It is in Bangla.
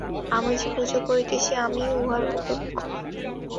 আমি যে পূজা করিতেছি, আমিই উহার লক্ষ্য।